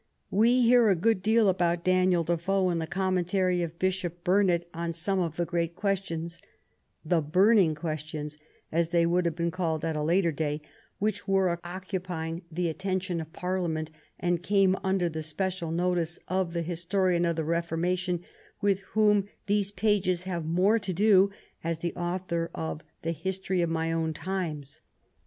We hear a good deal about Daniel Defoe in the commentary of Bishop Burnet on « 17 THE REIGN OF QUEEN ANNE Bome of the great queetionSy the " burning questions,'^ as they would have been called at a later day, which were occupying the attention of Parliament and came under the special notice of the historian of the Reforma tion with whom these pages have more to do as the author of The History of My Own Times.